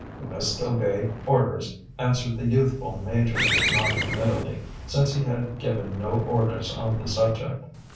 "You must obey orders," answered the youthful major, non committally, since he had given no orders on the subject.